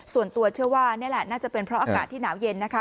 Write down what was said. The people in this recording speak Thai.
ส่วนตัวเชื่อว่านี่แหละน่าจะเป็นเพราะอากาศที่หนาวเย็นนะคะ